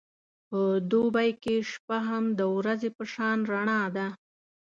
په دوبی کې شپه هم د ورځې په شان رڼا ده.